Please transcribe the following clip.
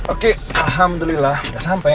oke alhamdulillah udah sampai